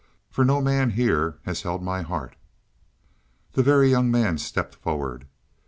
"For no man here has held my heart." The Very Young Man stepped forward.